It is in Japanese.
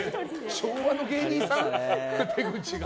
昭和の芸人さん、手口が。